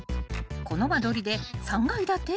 ［この間取りで３階建て？］